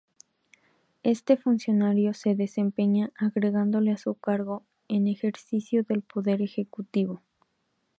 Este funcionario se desempeña agregándole a su cargo "en ejercicio del Poder Ejecutivo".